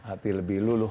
hati lebih luluh